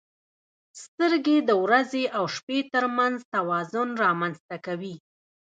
• سترګې د ورځې او شپې ترمنځ توازن رامنځته کوي.